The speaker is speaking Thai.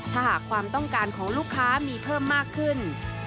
ถ้าหากความต้องการของลูกค้ามีเพิ่มมากขึ้น